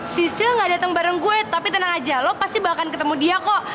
sisil gak dateng bareng gue tapi tenang aja lo pasti bakal ketemu dia kok